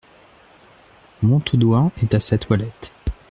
Montaudoin est à sa toilette.